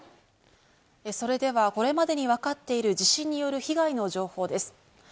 それではこれまでにわかっている地震による被害の情報です。